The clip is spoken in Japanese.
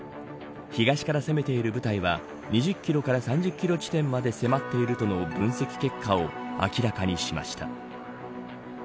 東から攻めている部隊は２０キロから３０キロ地点まで迫っているとの分析結果を明らかにしました。